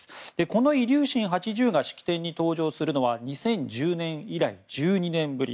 このイリューシン８０が式典に登場するのは２０１０年以来１２年ぶり。